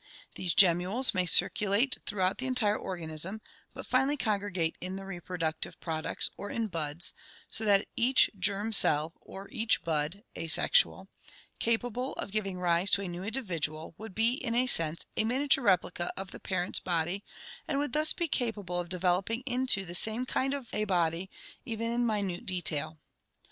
These gemmules may circulate throughout the entire organism but finally congregate in the reproductive prod ucts or in buds, so that each germ cell or each bud (asexual) capable of giving rise to a new individual would be in a sense a miniature replica of the parents' body and would thus be capable of developing into the same kind of a body even in minute detail.